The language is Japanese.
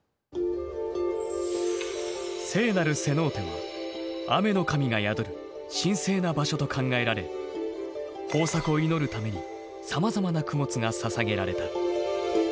聖なるセノーテは雨の神が宿る神聖な場所と考えられ豊作を祈るためにさまざまな供物がささげられた。